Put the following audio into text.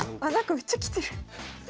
めっちゃ来てる。